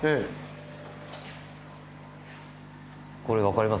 これ分かります？